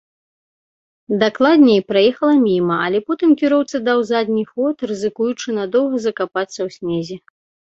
Дакладней, праехала міма, але потым кіроўца даў задні ход, рызыкуючы надоўга закапацца ў снезе.